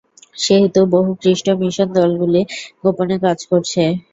সেহেতু, বহু খ্রিষ্ট মিশন দলগুলি গোপনে কাজ করছে।